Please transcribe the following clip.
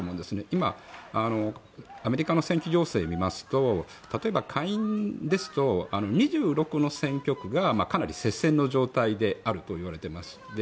今、アメリカの政治情勢を見ますと例えば下院ですと２６の選挙区がかなり接戦の状態であるといわれています。